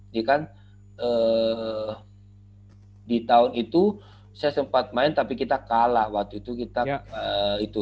di kan di tahun itu saya sempat main tapi kita kalah waktu itu